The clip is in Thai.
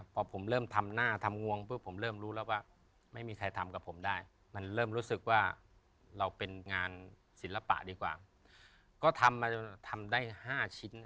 พอผมเริ่มทำหน้าทำงวงปุ๊บผมเริ่มรู้แล้วว่าไม่มีใครทำกับผมได้มันเริ่มรู้สึกว่าเราเป็นงานศิลปะดีกว่าก็ทำมาทำได้๕ชิ้น